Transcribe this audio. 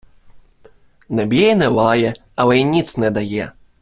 Не б'є й не лає, але й ніц не дає.